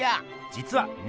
じつはね